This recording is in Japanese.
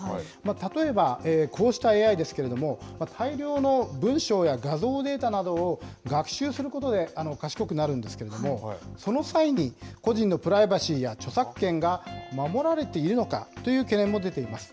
例えばこうしたＡＩですけれども、大量の文章や画像データなどを学習することで賢くなるんですけれども、その際に、個人のプライバシーや著作権が守られているのかという懸念も出ています。